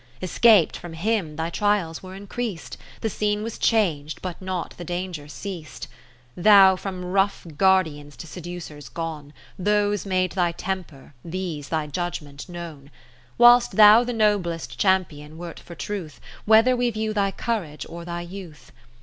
Escap'd from him, thy trials were increas'd ; The scene was chang'd, but not the danger ceas'd : Thou from rough guardians to sedu cers gone. Those made thy temper, these thy judgement known ; 40 Whilst thou the noblest champion wert for truth, Whether we view thy courage or thy youth.